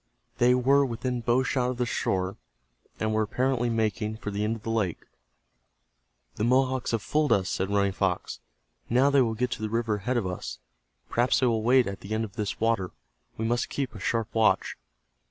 They were within bow shot of the shore, and were apparently making for the end of the lake. "The Mohawks have fooled us," said Running Fox. "Now they will get to the river ahead of us. Perhaps they will wait at the end of this water. We must keep a sharp watch."